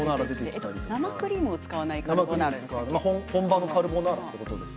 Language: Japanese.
生クリームを使わない本場のカルボナーラです。